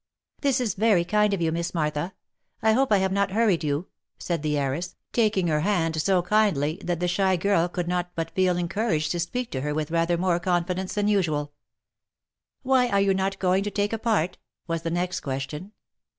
" This is very kind of you, Miss Martha. I hope I have not hurried you?" said the heiress, taking her hand so kindly, that the shy girl could not but feel encouraged to speak to her with rather more con fidence than usual. " Why are you not going to take a part ?" was the next question.